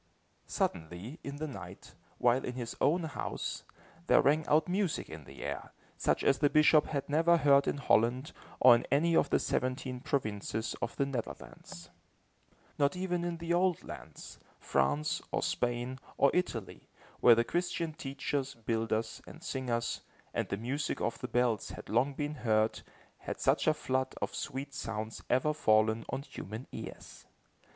Suddenly, in the night, while in his own house, there rang out music in the air, such as the bishop had never heard in Holland, or in any of the seventeen provinces of the Netherlands. Not even in the old lands, France, or Spain, or Italy, where the Christian teachers, builders and singers, and the music of the bells had long been heard, had such a flood of sweet sounds ever fallen on human ears.